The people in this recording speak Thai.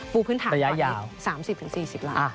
ปูพื้นถ่ายตรงนี้๓๐๔๐ล้าน